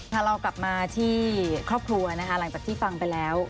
ถ้าเรากลับมาที่ครอบครัวนะคะหลังจากที่ฟังไปแล้ว